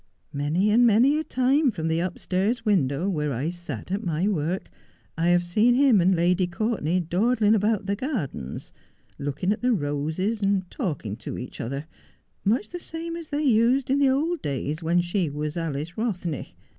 Many and many a time from the upstairs window, where I sat at my work, I have seen him and Lady Courtenay dawdling about the gardens, looking at the roses, and talking to each other, much the same as they used in the old days when she was Alice Kothney.